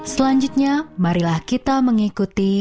selanjutnya marilah kita mengikuti